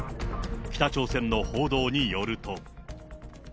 北朝鮮の報道によると。